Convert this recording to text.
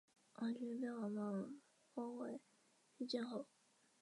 王寻被王莽封为丕进侯。